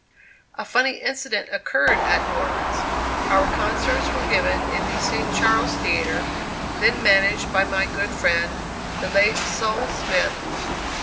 A funny incident occurred at New Orleans. Our concerts were given in the St. Charles Theatre, then managed by my good friend, the late Sol. Smith.